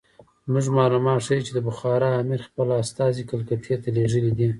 زموږ معلومات ښیي چې د بخارا امیر خپل استازي کلکتې ته لېږلي دي.